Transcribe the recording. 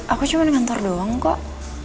aku cuman kantor doang kok